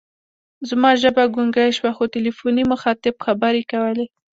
زما ژبه ګونګۍ شوه، خو تلیفوني مخاطب خبرې کولې.